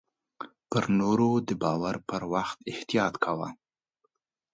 پر نور د باور پر وخت احتياط کوه .